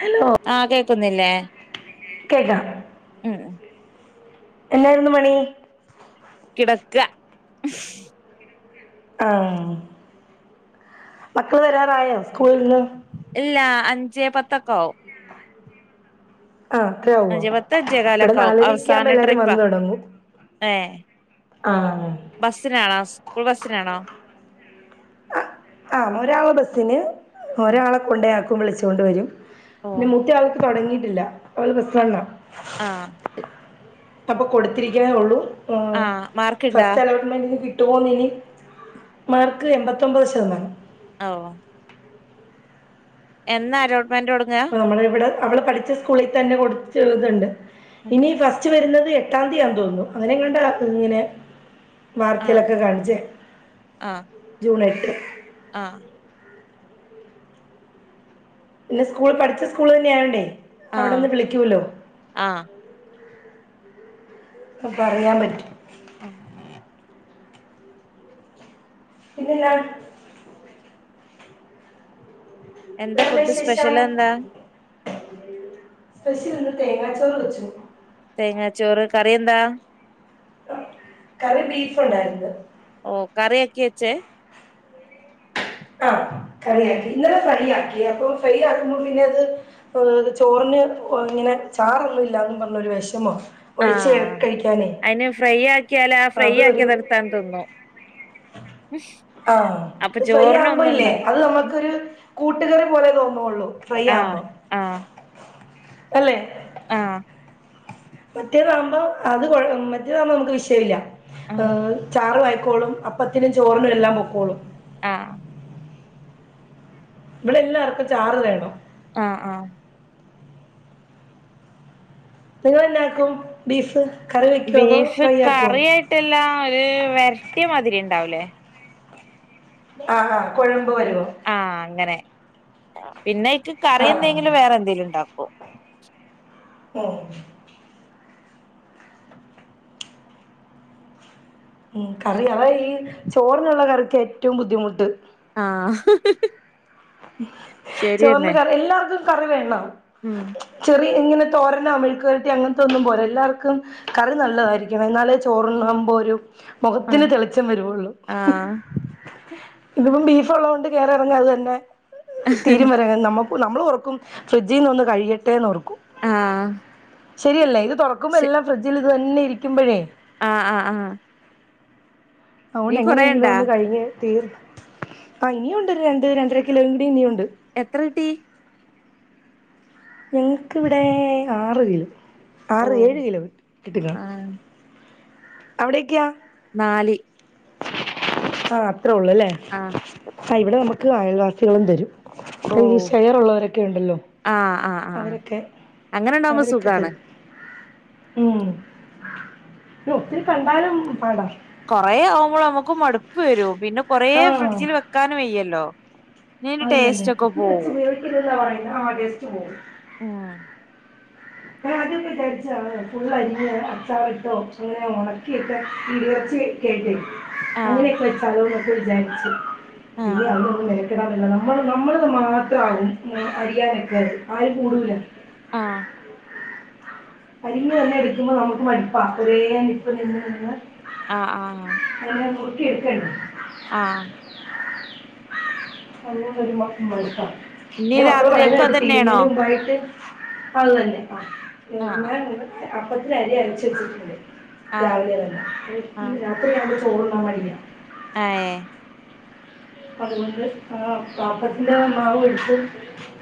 Hello ആഹ് കേക്കുന്നില്ലേ കേക്കാം ഉം എന്താരുന്നു പണി കിടക്കാ ഹ്ഹ് ആഹ് മക്കള് വരാറായോ സ്കൂളിൽന്ന് ഇല്ല അഞ്ചേ പത്തക്കാവും ആഹ് [unintelligible] അഞ്ച് പത്ത് അഞ്ചേ കാലെക്കാവും അവസാന എല്ലാവരും ട്രിപ്പാ ഏഹ് ആഹ് ബസ്സിനാണോ സ്കൂൾ ബസ്സിനാണോ ആ ഒരാള് ബസ്സിന് ഉം ഒരാളെ കൊണ്ടൊയാക്കും വിളിച്ചോണ്ട് വരും ഓ പിന്നെ മൂത്തയാള് തൊടങ്ങീട്ടില്ല ഓള് പ്ലസ് വണ്ണാ ആഹ് അപ്പോ കൊടുത്തിരിക്ക്ന്നേ ഒള്ളു ആഹ് ഫസ്റ്റ് അലോ ട്ട്മെന്റിന് കിട്ടുമോന്നിനി മാർക്ക് എൺപത്തൊമ്പത് ശതമാനം ആഓഹ് എന്നാ അലോട്ട്മെന്റൊട്ക്കാ നമ്മളിവിടെ അവള് പഠിച്ച സ്കൂളി തന്നെ കൊടുത്തിത്ണ്ട് ഇനി ഫസ്റ്റ് വെരുന്നത് എട്ടാംതീയാന്തോന്നു അങ്ങനെങ്ങാണ്ടാ ഇങ്ങനെ ആഹ് വാർത്തേലൊക്കെ കാണിച്ചേ ആഹ് ജൂണെട്ട് ആഹ് പിന്നെ സ്കൂൾ പഠിച്ച സ്കൂള് തന്നെയായോണ്ടേ ആഹ് അവിടന്ന് വിളിക്കൂല്ലോ ആഹ് പ്പപറഞ്ഞാ പറ്റും ആഹ് പിന്നെന്നാ എന്താ [unintelligible] ഫുഡ് വിശേഷം സ്പെഷ്യൽ എന്താ സ്പെഷ്യല്ന്ന് തേങ്ങാച്ചോറ് വെച്ചു തേങ്ങാച്ചോറ് കറിയെന്താ കറി ബീഫൊണ്ടാര്ന്ന് ഓഹ് കറിയാക്കിയ ച്ചേ ആഹ് ഉം കറിയാക്കി ഇന്നലെ ഫ്രൈയാക്കി അപ്പൊ ഫ്രൈയാക്കുമ്പോ പിന്നത് ആത് ചോറിന് ഇങ്ങനെ ചാറൊന്നും ഇല്ലാന്നും പറഞ്ഞൊരു വെഷമവാ ആഹ് അയിന് ഫ്രൈയാക്കിയാല ഫ്രൈ അത് ഒരു ആക്കിയത് [unintelligible] തിന്നു ആഹ് ഫ്രൈയാമ്പോ ഇല്ലേ അത് ഉം. നമ്മക്കൊരു കൂട്ടുകറി പോലെ തോന്നുള്ളൂ ഫ്രൈ ആഹ് ആമ്പം ആഹ് അല്ലെ ആഹ് മറ്റേതാമ്പ അത് കൊഴ മറ്റേതാമ്പ നമുക്ക് വിഷയവില്ല ആഹ് ചാറുവായിക്കോളും അപ്പത്തിനും ചോറിനും എല്ലാം പൊക്കോളും ആഹ് ഇവിടെല്ലാർക്കും ചാറ് വേണം ആഹ് ആഹ് നിങ്ങളെന്നാക്കും ബീഫ് കറി വയ്ക്കോതോ ഫ്രൈയാക്കോ ട്ടെല്ലാ ഒര് വെരട്ടിയ മാതിരി ണ്ടാവുലേ ആഹ് ആഹ് കൊഴമ്പ് വരുവോ ആഹഅങ്ങനെ പിന്നെ അയ്ക്ക് ആ കറി എന്തെങ്കിലും വേറെ എന്തെങ്കിലും ഉണ്ടാകും ഓഹ് ഉം കറി അതെ ഈ ചോറിനുള്ള കറിക്ക് ഏറ്റവും ബുദ്ധിമുട്ട് ആഹ് ചോറിന് ശരിയെന്നെ കറി എല്ലാർക്കും കറി വേണോ ഉം ചെറിയ ഇങ്ങനെ തോരനോ മെഴുക്കുവരട്ടി അങ്ങനത്തൊന്നും പോരേ എല്ലാർക്കും കറി നല്ലതായിരിക്കണം എന്നാലേ ചോറ്ണ്ണുമ്പോ ഒരു മുഖത്തിന് ആഹ് തെളിച്ചം വരുവുള്ളൂ ആഹ് ഇന്ന്പ്പം ബീഫ് ഉള്ളത് കൊണ്ട് കയറി ഇറങ്ങാ അത് തന്നെ തീര വരങ്ങ നമുക്ക് നമ്മള് ഓർക്കും ഫ്രിഡ്ജിന്ന് കഴിയട്ടെന്ന് ഓർ ആഹ് ശരിയല്ലേ ഇത് തുറക്കുമ്പോ ശെ എല്ലാം ഫ്രിഡ്ജിൽ ഇത് തന്നെ ഇരിക്കുമ്പോഴേ ആഹ് ആഹ് ആഹ് നീ അതുകൊണ്ട് എങ്ങനെങ്കിലും കൊറേണ്ടാ ഒന്ന് കഴിഞ്ഞ് തീർ ആ ഇനിയുണ്ട് രണ്ട് രണ്ടര കിലോയും കൂടി ഇനിയുണ്ട് എത്ര കിട്ടീ ഞങ്ങൾക്കിവിടെ ആറ് കിലോ ആറ് ഓഹ് ഏഴ് കിലോ കിട്ടിക്കാ ആഹ് അവിടെയൊക്കെ നാല് ആ അത്രേ ഉള്ളൂ ല്ലേ ആഹ് ആ ഇവിടെ നമുക്ക് അയൽവാസികളും തരും ഈ ഓഹ് ഷെയർ ഉള്ളവരൊക്കെ ഉണ്ടല്ലോ ആഹ് ആഹ് ആഹ് ആ അവരൊക്കെ അങ്ങനെ ഉണ്ടാകുമ്പോ അവരൊക്കെ സുഖാണ് തരും ഉം [inaudible] ഒത്തിരി കണ്ടാലും പാടാ കുറേ ആവുമ്പോള് നമുക്കും മടുപ്പ് വരും പിന്നെ കൊറേ ആ ഫ്രിഡ്ജില് വെക്കാനും വയ്യല്ലോ നീ അയിൻ്റെടേസ്റ്റ് ക്കൊപോവും ഇതന്താ പറയുന്നു ആ ടേസ്റ്റ് പോവും ഉം ഞാൻഅദ്യ ക്കെവിജാരിച്ച ഫുള്ളരിഞ് അച്ചാറ് ഇട്ടോ അങ്ങന ഉണക്കിയിട്ട് ഇറച്ചി കേട്ട അങ്ങനെ ആഹ് [unintelligible] വിചാരിച്ച് പിന്നെ ആഹ് അ നമ്മ നമ്മളത് മാത്രണ് അറിയാനൊക്കത് ആരും കൂടൂല ആഹ് അരിഞ്ഞ് തന്നെ എടുക്കുമ്പോ നമുക്ക് മടുപ്പാ ഒരേനിപ്പ് നിന്ന് നിന്ന് ആഹ് ആഹ് അ നുറുക്കി എടുക്കണ്ടെ ആഹ് [unintelligible] മടുപ്പ ഇനി പിന്നെമക്കൾ പറയുന്നേ രാത്രിയക്കും കേട്ടു അതന്നെയാണോ തീരുന്നതിന് മുമ്പായിട്ട് അത് തന്നെ ആ ആഹ് ഞാൻ അപ്പത്തിന് അരി അരിച്ച് വെച്ചിട്ടുണ്ട് ആഹ് രാവിലെ ആഹ് തന്നെ [unintelligible] ചോറുണ്ണാൻ വയ്യ ഏഹ് അതുകൊണ്ട് ആ പാത്രത്തിന്റെ മാവ് എടുത്ത്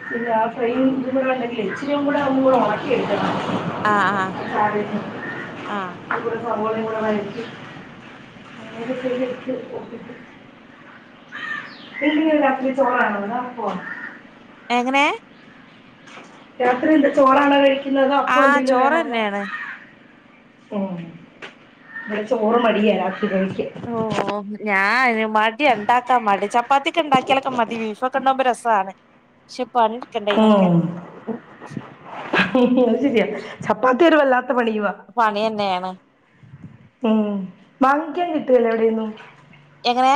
പിന്ന ആ ഫ്രൈ ഇതുണ്ടങ്കിൽ ഇച്ചിരിക്കുടെ ഒന്ന് വാട്ടിഎടുക്കണം ആഹ് ആഹ് ആഹ് [inaudible] സവാളക്കെ വഴറ്റി [inaudible] എല്ല രാത്രി ചോറാണ പോ എങ്ങനെ രാത്രി എന്താ ചോറാണോ കഴിക്കുന്നത് അപ്പൊ ആഹ് എന്തേങ്കിലും വേണോന്ന് ചോറ്ന്നെയാണ് നമ്മടെ ചോറ് മടിയാനാക്കിതനിക്ക് ഓ ഞാാന് മടി ഉണ്ടാക്കാ മടി ചപ്പാത്തിയ ഒക്കെ ഉണ്ടാക്കിയാലൊക്കെ മതി ബീഫൊക്കെ ഉണ്ടാകുമ്പോ രസാണ് ശെ പണ് ഉം അത് ശരിയാചപ്പാത്തിയൊരുവല്ലാത്ത പണിയുവ പണിയെന്നെയേണ് ഉം വാങ്ങിക്കാൻ കിട്ടൂലെ എവിടെന്നും എങ്ങനെ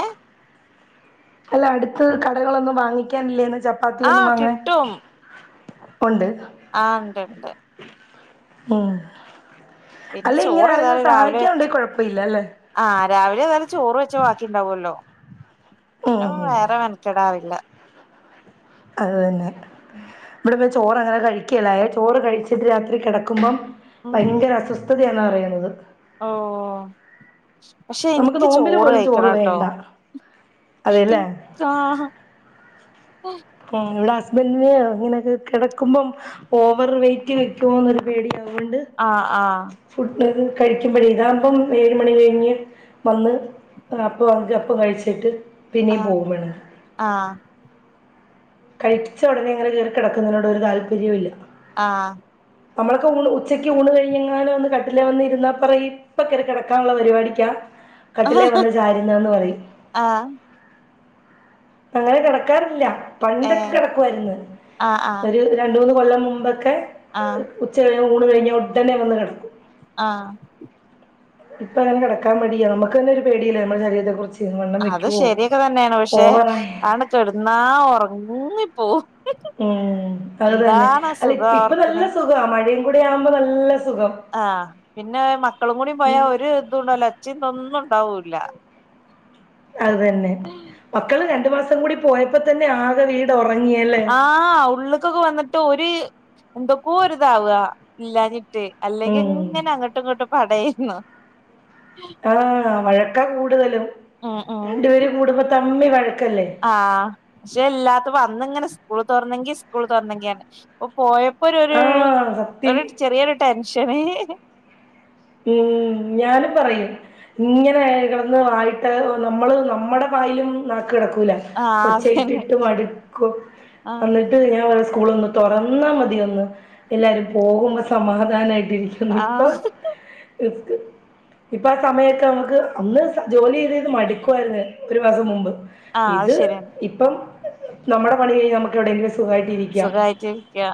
അല്ല അടുത്ത് കടകളൊന്നും വാങ്ങിക്കാനില്ലേന്ന് ചപ്പാത്തിയൊന്നും ആഹ് വാങ്ങാൻ കിട്ടും ഉണ്ട് ആഹ് ഉണ്ട് ണ്ട് ഉം പിന്നെ അല്ലെ ഇങ്ങനെ ചോറ് ആരെങ്കിലും സഹായിക്കാനുണ്ടെ കുഴപ്പം ഇല്ല ല്ലെ ആഹ രാവിലെ വല്ല ചോറ് വെച്ച ബാക്കി ഉണ്ടാവുല്ലോ പിന്നെ ഉം, ഉം. വേറെ മെനക്കെടാറില്ല അതുതന്നെ ഉം ഇവിടെ ചോറ് അങ്ങനെ കഴിക്കല്ലായെ ചോറ് കഴിച്ചിട്ട് രാത്രി കിടക്കുമ്പം ഭയങ്കര അസ്വസ്ഥ സ്ഥതയാന്നാ പറിയ്ണത് ഓഹ് പക്ഷെ നമുക്ക് ഇനിക്ക് നോമ്പിൽ ചോറ് പോലും കഴിക്കണം ട്ടോ വേണ്ട അതെല്ലേ ആഹാ ആ ഇവിടെ ഹസ്ബന്റിന് അങ്ങനെയൊക്കെ കെടക്കുമ്പം ഓവർ വെയ്റ്റ് വെക്കുവോന്നൊരു പേടി അത് കൊണ്ട് ആഹ ആഹ ഫുഡ് ഒക്കെ കഴിക്കുമ്പോഴെ ഇതാമ്പം ഏഴ് മണി കഴിഞ്ഞ് വന്ന് അപ്പ അപ്പൊ കഴിച്ചിട്ട് പിന്നെയും പോവും വേണം ആഹ് കഴിച്ച ഉടനെ ഇങ്ങനെ കേറി കിടുന്നതിനോട് ഒരു താല്പര്യം ഇല്ല ആഹ നമ്മളൊക്കെ ഊണ് ഉച്ചയ്ക്ക് ഊണ് കഴിഞ്ഞെങ്ങാനും ഒന്ന് കട്ടിലെ വന്ന് ഇരുന്നാ പറയും ഇപ്പൊ കേറി കിടക്കാനുള്ള പരിപാടിക്കാ കട്ടിലേ വന്ന് ചാരിന്നാന്ന് പറയും ആ ആ അങ്ങനെ കിടക്കാറില്ല ഏ പണ്ടൊക്കെ കിടക്കുവായിരുന്നു ആ ആ ഒരു രണ്ട് മൂന്ന് കൊല്ലം മുമ്പൊക്കെ ആ ഉച്ച കഴിഞ്ഞ് ഊണ് കഴിഞ്ഞാൽ ഉടെനെ വന്ന് കിടക്കും ആഹ ഇപ്പ അങ്ങെനെ കിടക്കാൻ മടിയാ നമുക്ക് തന്നെ ഒരു പേടിയില്ലേ നമ്മുടെ ശരീരത്തെ കുറിച്ച് അത് ശരിയൊക്കെ തന്നെയാണ് പക്ഷെ ഓവറായി അതണ്ട് കെടന്നാ ഉറങ്ങിപ്പോവും ഉം അത് തന്നെ എന്താണ് ആ അല്ല സുഖം ഇപ്പൊ നല്ല അവർക്കിന് സുഖവാ മഴയും കൂടെ ആവുമ്പോ നല്ല സുഖം ആഹ പിന്നെ മക്കളും കൂടി ഉം, പോയാ ഒരു ഇതുംണ്ടാല്ല ഒച്ചയും ഇതൊന്നും ഉണ്ടാവൂല്ല അത് തന്നെ മക്കള് രണ്ടു മാസം കൂടി പോയപ്പോ തന്നെ ആകെ വീട് ഉറങ്ങിയല്ലേ ആഹ് ഉള്ള്ക്കൊക്കെ വന്നിട്ട് ഒരു എന്തൊക്കോ ഒര് ഇതാവ ഇല്ലാഞ്ഞിട്ട് അല്ലെങ്കിൽ ഉം. ഇങ്ങനെ അങ്ങട്ടും ഇങ്ങട്ടും പടേരുന്നു ആഹ വഴക്കാ കൂടുതലും ആഹ് ആഹ് രണ്ടു പേരും കൂടുമ്പോ തമ്മി വഴക്കല്ലേ ആഹ് പക്ഷെ ഇല്ലാത്തപ്പൊ അന്നിങ്ങനെ സ്കൂള് തോറന്നെങ്കി സ്കൂൾ തോറന്നെങ്കി പറഞ്ഞ് ഇപ്പൊ പോയപ്പൊ ഒരു ഒരു ആഹ് സത്യം ഒരു ചെറിയൊരു ടെൻഷന് ഉം ഞാനും പറയും ഇങ്ങനെ കിടന്ന് വായിട്ട് നമ്മൾ നമ്മുടെ വായിലും നാക്ക് കെടക്കൂല ആഹ് അതന്നെ ഒച്ചയിട്ടിട്ട് മടുക്കും ആഹ് അന്നിട്ട് ഞാൻ പറയും സ്കൂൾ ഒന്ന് തുറന്നാ മതി ഒന്ന് എല്ലാരും പോകുമ്പോ സമാധാനമായിട്ടിരിക്കാം ആഹ് ഇസ്ക് ഇപ്പൊ ആ സമയൊക്കെ നമുക്ക് അന്ന് ജോലി ചെയ്ത് ചെയ്ത് മടിക്കുവായിരുന്ന് ഒരു മാസം മുമ്പ് ആഹ് അത് ഇത് ശരിയാണ് ഇപ്പം നമ്മുടെ പണി കഴിഞ്ഞ് നമുക്ക് എവിടെങ്കിലും സുഖമായിട്ടി ഇരിക്കാം സുഖായിട്ട് ഇരിക്ക്യ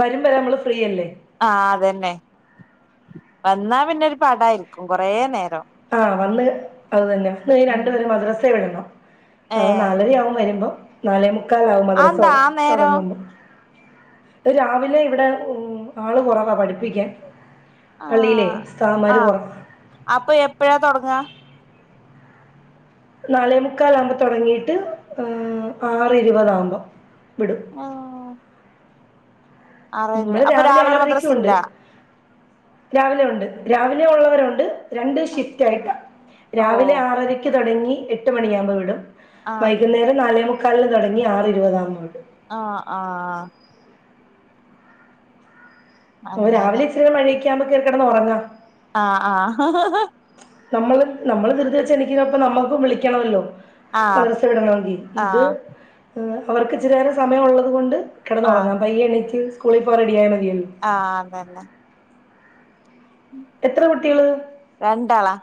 വരും വരെ നമ്മള് ഫ്രീയല്ലേ ആഹ അതന്നെ വന്നാ പിന്നെ ഒരു പടായിരിക്കും കൊറേ നേരം ആഹ് വന്ന് അത് തന്നെ വന്ന് ഉം രണ്ടുപേര മദ്രസെ വിടല്ലോ അഹ് ഏഹ് നാലണിയാവു വ രുമ്പോ നാലെ മുക്കാലാവും അതെന്താ മദ്രസോടം ആ നേരം തുടങ്ങുമ്പോ രാവിലെ ഇവിടെ ഉം ആള് കുറവാ പഠിപ്പിക്കാൻ പള്ളില്ലേ ആഹ് സ്ഥാമാര് ആഹ് കൊറവാ അപ്പൊ എപ്പഴാ തുടങ്ങാ നാലേമുക്കാലാഉമ്പോ തുടങ്ങിട്ട് എഹ് ആറ് ഇരുപതാഉമ്പോം വിടും ആഹ് മ്മള് അപ്പൊ രാവിലെ മദ്രസ ആറരക്യുണ്ട് ഇല്ല രാവിലെ ഉണ്ട് രാവിലെ ഉള്ളവരുണ്ട് രണ്ട് ഷിഫ്റ്റ് ആയിക്കാ ഓ രാവിലെ ആറര ക്ക് തുടങ്ങി എട്ട് മണിയാവുമ്പോ വിടും ആഹ് വൈകുന്നേരം നാലേമുക്കാലിന് തുടങ്ങി ആറ് ഇരുതകുമ്പോ വിടും ആഹ് ആഹ് ഓഹ് അങ്ങനെ രാവിലെ ഇച്ചരി മയഴൊക്കാവുമ്പോ കേറി കിടന്നുറങ്ങണം ആഹ് ആഹ് നമ്മള് നമ്മള് ദിർദി വെച്ച് എണീക്ണപ്പ നമ്മൾക്കും വിളിക്കണമല്ലോ ആഹ് മദർസ് വിടണമെങ്കി ഇത് ആഹ് അവർക്ക് ഇച്ചിരേരം സമയം ഉള്ളത് കൊണ്ട് കിടന്നുറങ്ങാ ആഹ് പയ്യ ണീച്ച് സ്കൂളിൽ പോ ആ റെഡിയായ മതിയോ ആ ഹ് അതെന്നെ എത്ര കുട്ടികള് രണ്ടാളാ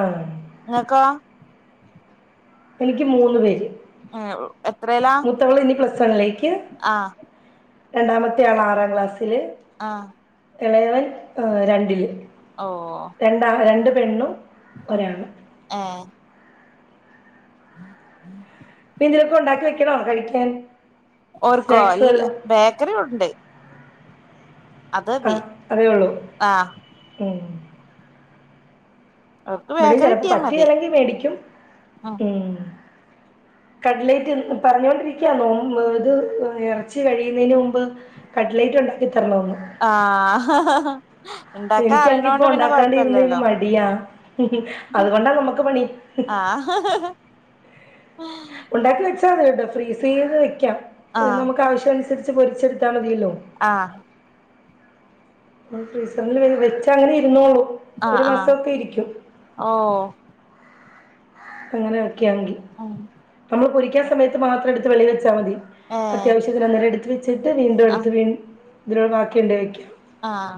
ആഹ് ങ്ങക്കൊ എനിക്ക് മൂന്ന്പേര് ഉം എത്രേല്ലാ മുത്തവൾ നി പ്ലസ്സണ്ണിലേക്ക് ആഹ് രണ്ടാമത്തെെയാള് ആറാം ക്ലാസ്സില് ആഹ് ഇളയവൻ രണ്ടില് ഓഹ് രണ്ടാ രണ്ട് പെണ്ണും ഉം ഒരാണും ആഹ് [unintelligible] ക്കെ ഉണ്ടാക്കി വെക്കണോ കഴിക്കാൻ ഓർക്കോ സ്നാക്സ് ഇല്ല വല്ലതും ബേക്കറി ഉണ്ട് അത് മതി ആഹ് അതേ ഉള്ളൂ ആഹ് ഉം ഓർക്ക് ഇവിടെയും ബേക്കറി ചെലപ്പോ കിട്ടിയാ മതി പറ്റിയല്ലെങ്കി മേടിക്കും ഉം കടലേറ്റ് പറഞ്ഞോണ്ടിരിക്ക [unintelligible] ഇത് ഇറച്ചി കഴിയുന്നതിന് മുമ്പ് കട്ടിലേറ്റ് ഉണ്ടാക്കിത്തരണോന്ന് ആഹ് ഇണ്ടാക്കാൻ എനിക്കൺങ്കി ഇപ്പൊ അറിയണോണ്ട് പിന്നെ ഉണ്ടാക്കാണ്ടി ഇരുന്നന്ന് കൊഴപ്പല്ലല്ലോ മടിയാ അതുകൊണ്ടാ നമ്മുക്ക് പണി ആഹ് ഉണ്ടാക്കി വെച്ചാൽ അത് കേട്ടോ ഫ്രീസ്യ്ത് വെക്കാം ആഹ് നമുക്ക് ആവശ്യ അനുസരി ട്ട് പൊച്ചെടുത്താ മതിയല്ലോ ആഹ് മ്മ ഫ്രീസർല് വെച്ചങ്ങനെ ഇര്ന്നോളും ആഹ് ആഹ് ഓഹ് പ്പങ്ങനെ വെക്യാണെങ്കി അം നമ്മൾ പൊരിക്കണ സമയത്ത് മാത്രം എടുത്ത് വെളിലെച്ചാ മതി ഏഹ് അത്യാവശ്യത്തിന് അന്നേരെട്ത് ജ് വെച്ചിട്ട് വീണ്ടും എട്ത്ത് ആഹ് വീ തിനോട് വാക്കിണ്ടേ വെക്യും ആഹ്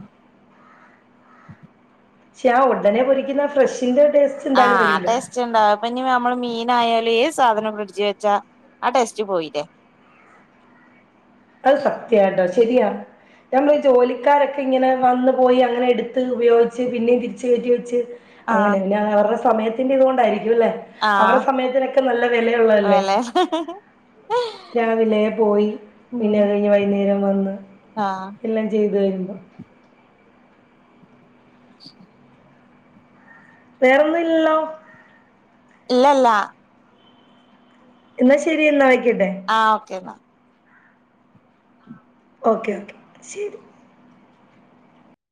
ഷെ ആ ഒടനെ പൊരിക്കുന്ന ഫ്രഷിന്റെ ടേ ആഹ് ടെസ് ച്ചെന്താ പഞ്ഞ് ഞമ്മള് മീനായാലും ഏത് സാധനം ഫ്രഡ്ജ് വെച്ചാ ആ ടേസ്റ്റ് പോയില്ലേ അത് സത്യാട്ടോ ശരിയാ ഞമ്മള് ഈ ജോലിക്കാരൊക്കെ ഇങ്ങനെ വന്ന് പോയി അങ്ങനെ ട്ത്ത് ഉപയോഗിച്ച് പിന്നെയും തിരിച്ച് കേറ്റി വെച്ച് അങ്ങനെ ആഹ് പിന്നെ അവരുടെ സമയത്തിന്റെ ഇതുകൊണ്ടായിരിക്കുംല്ലേ അവരെ ആഹ് സമയത്തിനൊക്കെ നല്ല വെലയുള്ളതല്ലേ വെല രാവിലെ പോയി പിന്നെ അത് കയ്ഞ്ഞ് വൈന്നേരം വന്ന് ആ എല്ലാം ചെയ്തു വരുമ്പം [inaudible] വേറൊന്നുല്ലല്ലോ ഇല്ലല്ല ഇന്നാ ശരി എന്നാ വയ്ക്കട്ടെ ആ ഓക്കെ ന്നാ ഓക്കെ ഓക്കെ ശരി